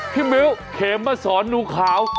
พี่มิวเขมาสอนหนูข่าว